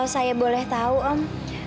kalau saya boleh tau om